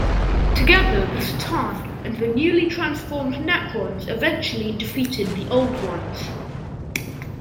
Together, the C'tan and the newly transformed Necrons eventually defeated the Old Ones.